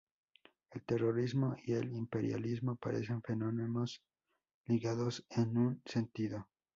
El terrorismo y el imperialismo parecen fenómenos ligados en un sentido.